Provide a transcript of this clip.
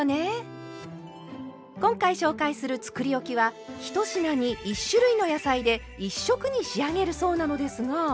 今回紹介するつくりおきは１品に１種類の野菜で１色に仕上げるそうなのですが。